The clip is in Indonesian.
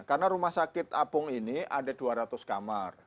karena rumah sakit apung ini ada dua ratus kamar